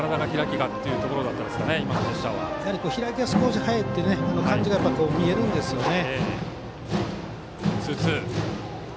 開きが少し早いという感じが見えるんですよね。